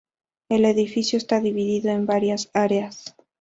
El edificio está dividido en varias áreas.